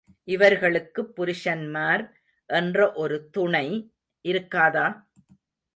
இவர்களுக்குப் புருஷன்மார் என்ற ஒரு துணை இருக்காதா?